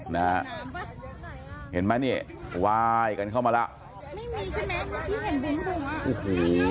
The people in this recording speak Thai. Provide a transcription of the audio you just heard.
เห็นไหมเนี่ยว่ายกันเข้ามาแล้ว